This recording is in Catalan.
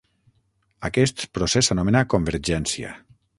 Aquest procés s'anomena "convergència".